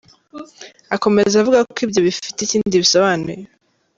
Akomeza avuga ko ibyo bifite ikindi bisobanuye.